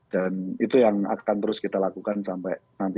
dan itu yang akan terus kita lakukan sampai akhir tahun ini